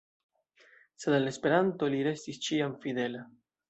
Sed al Esperanto li restis ĉiam fidela.